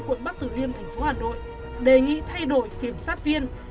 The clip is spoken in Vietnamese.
quận bắc tử liêm tp hà nội đề nghị thay đổi kiểm sát viên